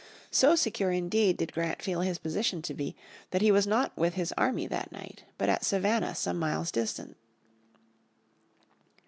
So secure indeed did Grant feel his position to be that he was not with his army that night, but at Savannah some miles distant.